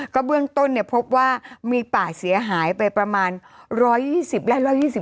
ก็เบื้องต้นพบว่ามีป่าเสียหายไปประมาณ๑๒๐ไร่๑๒๐